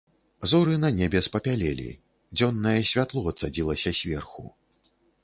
Зоры на небе спапялелі, дзённае святло цадзілася зверху.